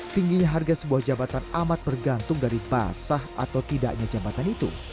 tingginya harga sebuah jabatan amat bergantung dari basah atau tidaknya jabatan itu